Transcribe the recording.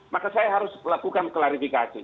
maka saya harus lakukan klarifikasi